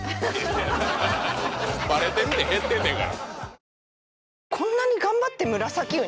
バレてるで減ってんねんから。